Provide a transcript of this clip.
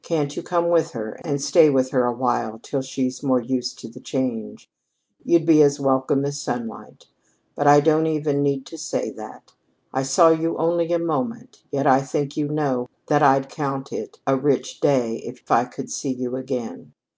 Can't you come with her and stay with her awhile till she's more used to the change? You'd be as welcome as sunlight. But I don't even need to say that. I saw you only a moment, yet I think you know that I'd count it a rich day if I could see you again.